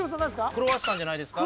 クロワッサンじゃないですか？